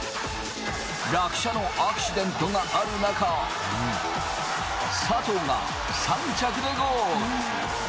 落車のアクシデントがある中、佐藤が３着でゴール。